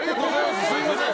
すみません。